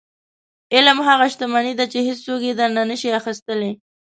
• علم هغه شتمني ده چې هیڅوک یې درنه نشي اخیستلی.